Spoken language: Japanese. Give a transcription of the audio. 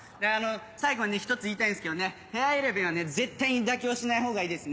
最後にね１つ言いたいんですけどね部屋選びはね絶対に妥協しない方がいいですね。